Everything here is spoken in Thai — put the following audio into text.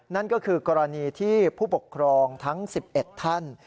นั่นก็คือกรณีที่ผู้ปกครองทั้ง๑๑ท่าน